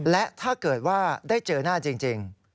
และถ้าเกิดว่าได้เจอหน้าจริง